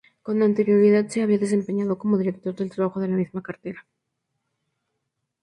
Con anterioridad se había desempeñado como director del Trabajo de la misma cartera.